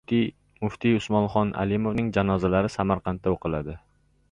Muftiy Usmonxon Alimovning janozalari Samarqandda o‘qiladi